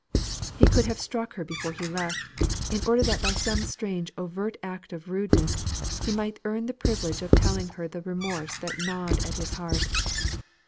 He could have struck her before he left, in order that by some strange overt act of rudeness, he might earn the privilege of telling her the remorse that gnawed at his heart.